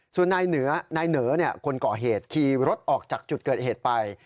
ส่วนนายเหนือนายเหนอคนก่อเหตุขี่รถออกจากจุดเกิดเหตุไป